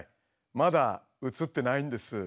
まだ映ってないんです。